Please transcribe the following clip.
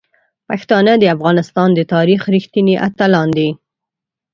پښتانه د افغانستان د تاریخ رښتیني اتلان دي.